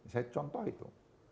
saya contoh itu